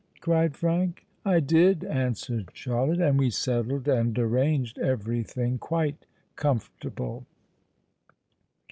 cried Frank. "I did," answered Charlotte; "and we settled and arranged every thing quite comfortable."